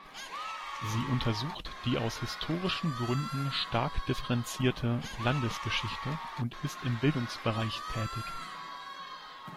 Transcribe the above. Sie untersucht die aus historischen Gründen stark differenzierte Landesgeschichte und ist im Bildungsbereich tätig.